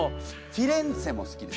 フィレンツェも好きです。